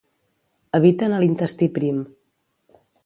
Habiten a l'intestí prim.